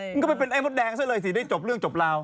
มันก็ไปเป็นไอ้มดแดงซะเลยสิได้จบเรื่องจบราว